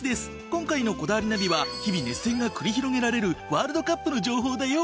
今回の『こだわりナビ』は日々熱戦が繰り広げられるワールドカップの情報だよ。